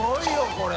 これ。